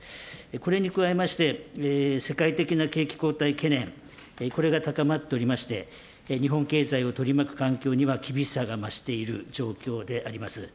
これに加えまして、世界的な景気後退懸念、これが高まっておりまして、日本経済を取り巻く環境には厳しさが増している状況であります。